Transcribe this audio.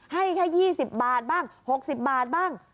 ให้แค่ยี่สิบบาทบ้างหกสิบบาทบ้าง